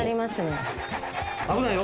危ないよ。